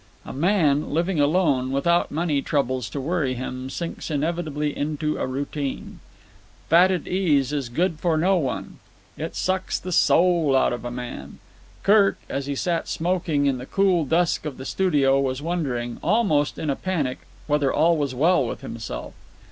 A man, living alone, without money troubles to worry him, sinks inevitably into a routine. Fatted ease is good for no one. It sucks the soul out of a man. Kirk, as he sat smoking in the cool dusk of the studio, was wondering, almost in a panic, whether all was well with himself.